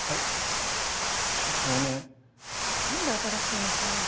なんで新しいの買うの？